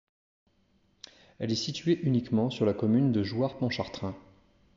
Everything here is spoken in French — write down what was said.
Elle est située uniquement sur la commune de Jouars-Pontchartrain.